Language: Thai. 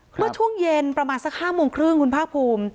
เมื่อช่วงเย็นประมาณสัก๕โมงครึ่งคุณภาคภูมิ